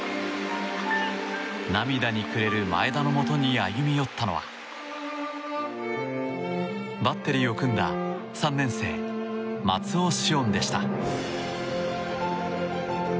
涙にくれる前田のもとに歩み寄ったのはバッテリーを組んだ３年生、松尾汐恩でした。